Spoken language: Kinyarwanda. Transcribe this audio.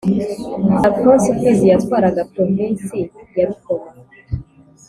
Alfonsi Mfizi yatwaraga Provinsi ya Rukoma.